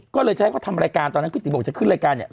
ก็เลยจะให้เขาทำรายการตอนนั้นพี่ตีบอกจะขึ้นรายการเนี่ย